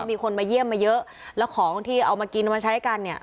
มีคนมาเยี่ยมมาเยอะแล้วของที่เอามากินเอามาใช้กันเนี่ย